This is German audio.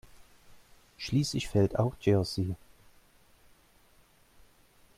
Schließlich fällt auch Jerzy.